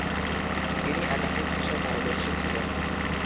তিনি একাধিক ভাষায় পারদর্শী ছিলেন।